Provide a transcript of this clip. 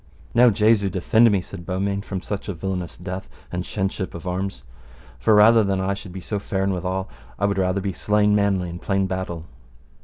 Now Jesu defend me, said Beaumains, from such a villainous death and shenship of arms. For rather than I should so be faren withal, I would rather be slain manly in plain battle.